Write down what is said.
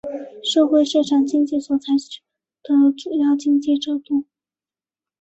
社会市场经济所采取的主要经济制度。